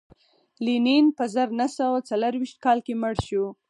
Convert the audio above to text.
لینین په زر نه سوه څلرویشت کال کې مړ شو